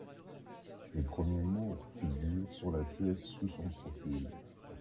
Les premiers mots figurent sur la pièce sous son profil.